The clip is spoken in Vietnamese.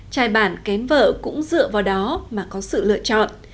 trai bản kén vợ cũng dựa vào đó mà có sự lựa chọn